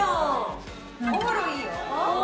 お風呂いい。